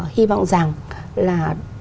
hy vọng rằng là